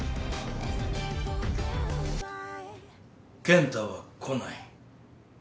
健太は来ない。